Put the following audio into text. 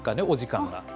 お時間が。